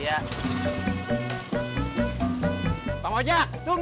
dia ke kapal ibu ini